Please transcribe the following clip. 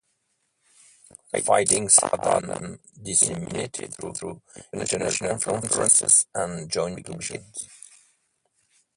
The findings are then disseminated through international conferences and joint publications.